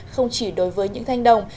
không chỉ đối với những thanh đồng